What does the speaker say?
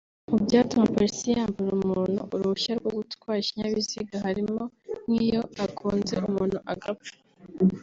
Mu byatuma polisi yambura umuntu uruhushya rwo gutwara ikinyabiziga harimo nk’iyo agonze umuntu agapfa